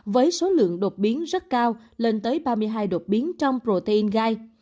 với số lượng đột biến rất cao lên tới ba mươi hai đột biến trong protein gai